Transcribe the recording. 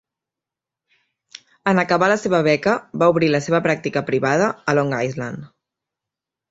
En acabar la seva beca, va obrir la seva pràctica privada a Long Island.